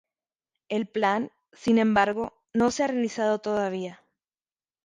El plan, sin embargo, no se ha realizado todavía.